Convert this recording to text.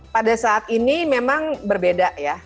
pada saat ini memang berbeda ya